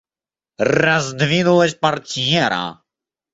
Раздвинулась портьера.